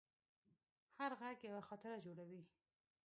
هر غږ یوه خاطره جوړوي.